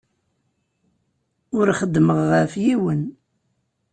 Ur xeddmeɣ ɣef yiwen.